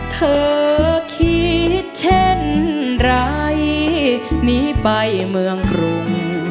เธอคิดเช่นไรหนีไปเมืองกรุง